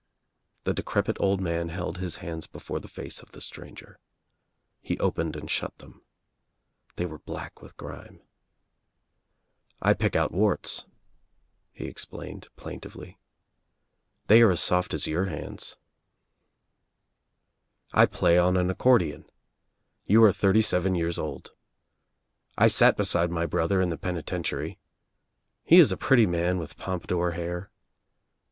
The decrepit old man held his hands before the face of the stranger. He opened and shut them. They were black with grime. "I pick out warts," he ex S E Nl LITY 95 ined plaintively. "They are as soft as your hands," 'I play on an accordion. You are thirty seven years 1. I sat beside my brother in the penitentiary. He ■ 15 a pretty man with pompadour hair.